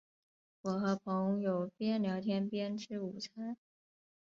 我和朋友边聊天边吃午餐